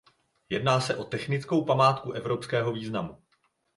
Jedná se o technickou památku evropského významu.